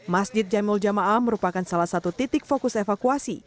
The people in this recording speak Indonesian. masjid jamil jamaah merupakan salah satu titik fokus evakuasi